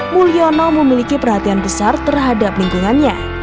mulyono memiliki perhatian besar terhadap lingkungannya